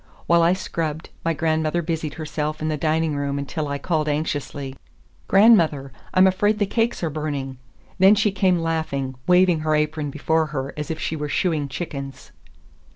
While I scrubbed, my grandmother busied herself in the dining room until I called anxiously, "Grandmother, I'm afraid the cakes are burning!" Then she came laughing, waving her apron before her as if she were shooing chickens.